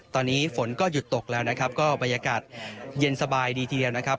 ตอนนี้ฝนก็หยุดตกแล้วนะครับก็บรรยากาศเย็นสบายดีทีเดียวนะครับ